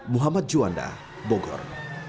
muhammad juanda bogor